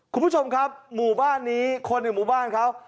คุณผู้ชมครับหมู่บ้านนี้คนในหมู่บ้านเขา